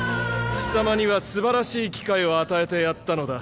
貴様にはすばらしい機会を与えてやったのだ。